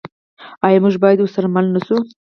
آیا موږ باید ورسره مل نشو؟